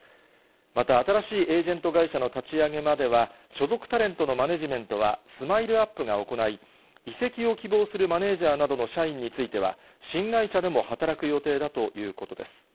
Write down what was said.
また、新しいエージェント会社の立ち上げまでは、所属タレントのマネジメントはスマイルアップが行い、移籍を希望するマネージャーなどの社員については、新会社でも働く予定だということです。